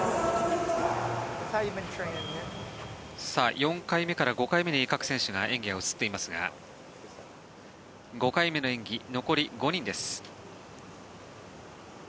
４回目から５回目に各選手の演技が移っていますが５回目の演技残り５人です。